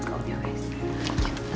kau udah baik